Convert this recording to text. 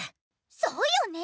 そうよね。